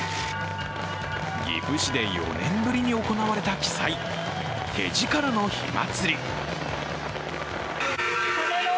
岐阜市で４年ぶりに行われた奇祭手力の火祭。